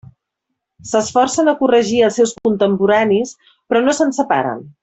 S'esforcen a corregir els seus contemporanis, però no se'n separen.